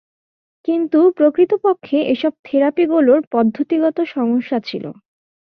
কিন্তু প্রকৃতপক্ষে এসব থেরাপি গুলোর পদ্ধতিগত সমস্যা ছিল।